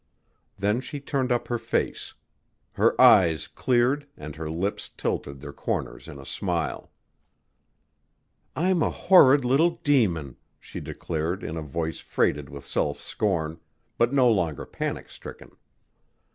Then she turned up her face. Her eyes cleared and her lips tilted their corners in a smile. "I'm a horrid little demon," she declared in a voice freighted with self scorn, but no longer panic stricken.